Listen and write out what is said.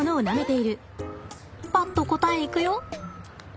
パッと答えいくよ！